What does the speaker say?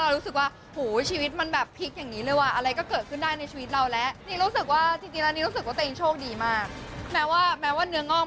ด้วยความที่อยากรู้ร่างกายคนอื่น